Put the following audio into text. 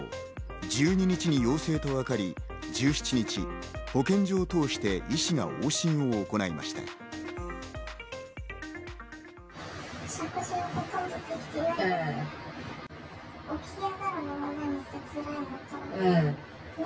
１２日に陽性と分かり、１７日、保健所を通して医師が往診を行いました。